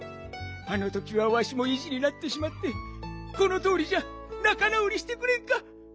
あのときはわしもいじになってしまってこのとおりじゃなかなおりしてくれんか？